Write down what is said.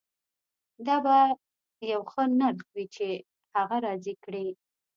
دا به یو ښه نرخ وي چې هغه راضي کړي